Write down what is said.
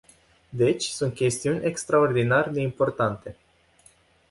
Deci, sunt chestiuni extraordinar de importante.